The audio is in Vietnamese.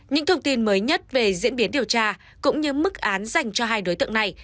những thông tin mới nhất về diễn biến điều tra cũng như mức án dành cho hai đối tượng này